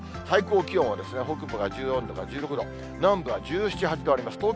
最高気温は北部が１４度から１６度、南部は１８度あります。